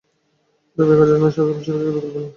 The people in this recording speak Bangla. তবে এ কাজে সরকারের পৃষ্ঠপোষকতার বিকল্প নেই।